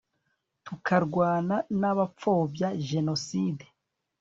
tukarwana n'abapfobya jenoside